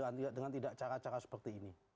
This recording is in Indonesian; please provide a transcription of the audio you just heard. tidak dengan tidak cara cara seperti ini